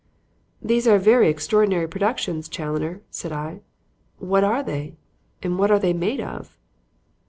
"These are very extraordinary productions, Challoner," said I. "What are they? And what are they made of?"